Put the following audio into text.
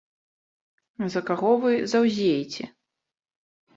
За каго вы заўзееце?